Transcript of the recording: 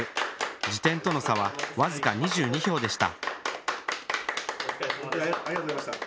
次点との差は僅か２２票でした。